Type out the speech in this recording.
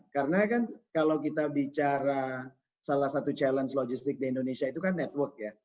karena kan kalau kita bicara salah satu challenge logistik di indonesia itu kan network ya